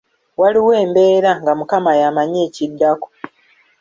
Waliwo embeera nga mukama y’amanyi ekiddako.